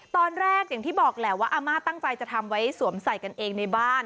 ตอนแรกอย่างที่บอกแหละว่าอาม่าตั้งใจจะทำไว้สวมใส่กันเองในบ้าน